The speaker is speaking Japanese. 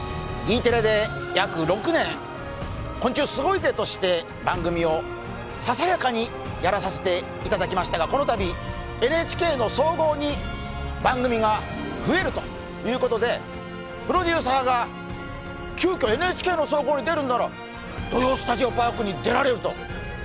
Ｅテレで約６年「昆虫すごいぜ！」として番組をささやかにやらさせていただきましたがこのたびＮＨＫの総合に番組が増えるということでプロデューサーが急きょ、ＮＨＫの総合に出るなら「土曜スタジオパーク」に出られると。